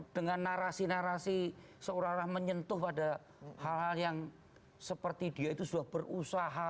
dengan narasi narasi seolah olah menyentuh pada hal hal yang seperti dia itu sudah berusaha